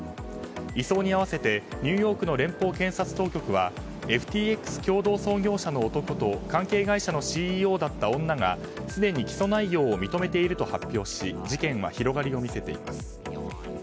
移送に合わせてニューヨークの連邦検察当局はＦＴＸ共同創業者の男と関係会社のＣＥＯだった女がすでに起訴内容を認めていると発表し事件は広がりを見せています。